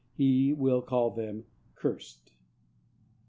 He will call them cursed.